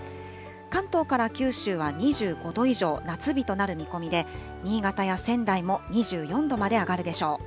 関東から九州は２５度以上、夏日となる見込みで、新潟や仙台も２４度まで上がるでしょう。